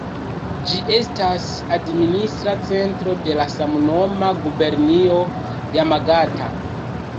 Ĝi estas administra centro de la samnoma gubernio Jamagata.